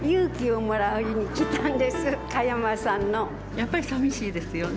やっぱり寂しいですよね。